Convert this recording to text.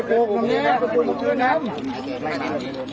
พร้อมแก้มมีจะได้ไว้สิ